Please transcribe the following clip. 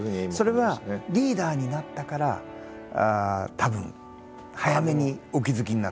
それはリーダーになったからたぶん早めにお気付きになったと思う。